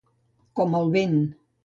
Com el vent.